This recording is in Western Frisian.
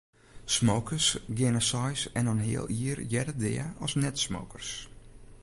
Smokers geane seis en in heal jier earder dea as net-smokers.